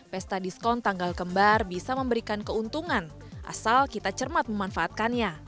pesta diskon tanggal kembar bisa memberikan keuntungan asal kita cermat memanfaatkannya